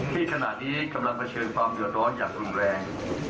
ที่ขณะนี้กำลังเผชิญความเดือดร้อนอย่างรุนแรง